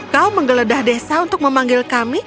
kau menggeledah desa untuk memanggil kami